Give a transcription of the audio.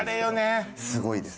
すごいです。